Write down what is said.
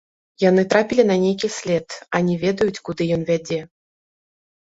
Яны трапілі на нейкі след, а не ведаюць, куды ён вядзе.